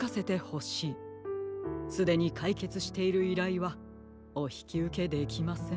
すでにかいけつしているいらいはおひきうけできません。